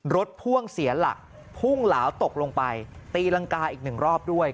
พ่วงเสียหลักพุ่งเหลาตกลงไปตีรังกาอีกหนึ่งรอบด้วย